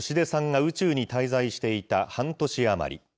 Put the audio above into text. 星出さんが宇宙に滞在していた半年余り。